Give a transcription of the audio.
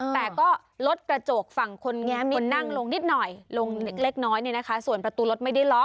แต่ก็รถกระจกฝั่งคนแง้มนั่งลงนิดหน่อยลงเล็กน้อยส่วนประตูรถไม่ได้ล็อก